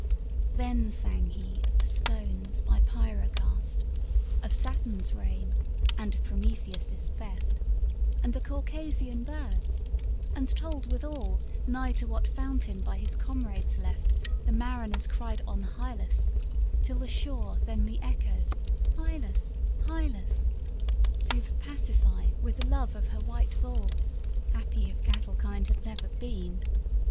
Then sang he of the stones by Pyrrha cast, Of Saturn's reign, and of Prometheus' theft, And the Caucasian birds, and told withal Nigh to what fountain by his comrades left The mariners cried on Hylas till the shore "Then Re echoed "Hylas, Hylas! soothed Pasiphae with the love of her white bull Happy if cattle kind had never been!